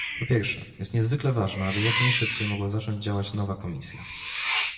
Po pierwsze, jest niezwykle ważne, aby jak najszybciej mogła zacząć działać nowa Komisja